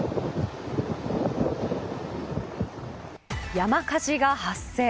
山火事が発生。